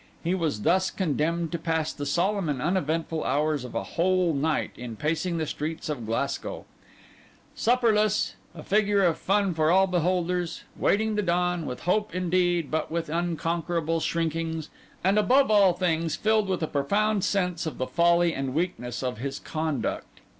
He was thus condemned to pass the solemn and uneventful hours of a whole night in pacing the streets of Glasgow; supperless; a figure of fun for all beholders; waiting the dawn, with hope indeed, but with unconquerable shrinkings; and above all things, filled with a profound sense of the folly and weakness of his conduct.